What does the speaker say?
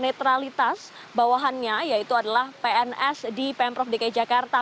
netralitas bawahannya yaitu adalah pns di pemprov dki jakarta